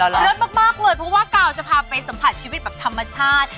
เลิศมากเลยเพราะว่ากาวจะพาไปสัมผัสชีวิตแบบธรรมชาติ